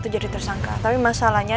gue lagi lemah banget zak